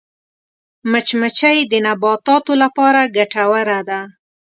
مچمچۍ د نباتاتو لپاره ګټوره ده